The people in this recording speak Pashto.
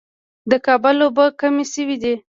د کابل اوبه کمې شوې دي